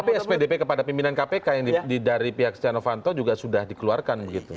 tapi spdp kepada pimpinan kpk yang dari pihak stianofanto juga sudah dikeluarkan gitu